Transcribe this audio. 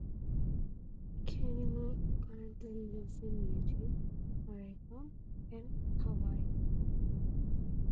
Kenny Moore currently lives in Eugene, Oregon, and Hawaii.